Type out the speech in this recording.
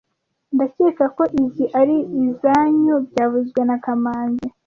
Ndakeka ko izoi ari izoanyu byavuzwe na kamanzi